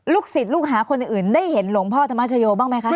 ศิษย์ลูกหาคนอื่นได้เห็นหลวงพ่อธรรมชโยบ้างไหมคะ